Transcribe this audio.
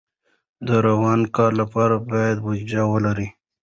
د روان کال لپاره باید بودیجه ولرو.